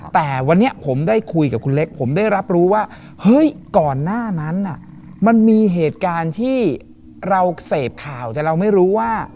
แต่วันนี้ผมได้คุยกับคุณเล็กผมได้รับรู้ว่าเฮ้ยก่อนหน้านั้นมันมีเหตุการณ์ที่เราเสพข่าวแต่เราไม่รู้ว่า